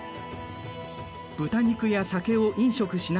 豚肉や酒を飲食しないこと。